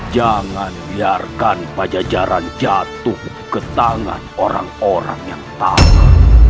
jangan biarkan pajajaran jatuh ke tangan orang orang yang tahu